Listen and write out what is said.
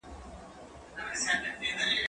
زه باید منډه ووهم؟